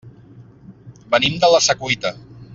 Venim de la Secuita.